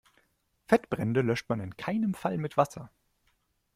Fettbrände löscht man in keinem Fall mit Wasser.